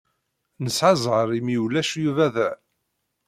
Nesɛa zzheṛ imi ulac Yuba da.